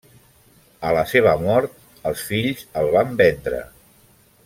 A la seva mort, els fills el van vendre.